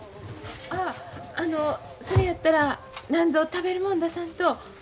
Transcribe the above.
ああのそれやったらなんぞ食べるもん出さんと。